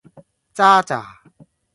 咋喳